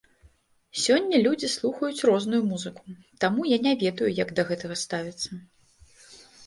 Сёння людзі слухаюць розную музыку, таму я не ведаю, як да гэтага ставіцца.